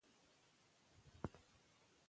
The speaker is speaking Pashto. پوهه د جهالت او تیارو په وړاندې یوازینۍ رڼا ده.